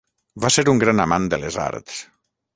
Va ser un gran amant de les arts.